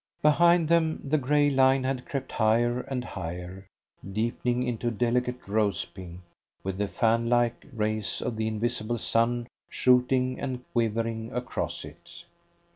Behind them the grey line had crept higher and higher, deepening into a delicate rose pink, with the fan like rays of the invisible sun shooting and quivering across it.